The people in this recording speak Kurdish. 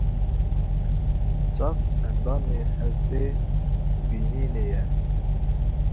Çav endamê hestê bînînê ye.